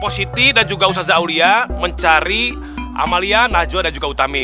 siti dan juga usaza aulia mencari amalia najwa dan juga utami